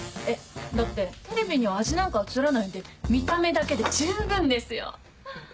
えだってテレビには味なんか映らないんで見た目だけで十分ですよ。